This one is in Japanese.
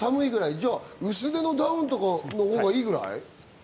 じゃあ薄手のダウンとかのほうがいいぐらい？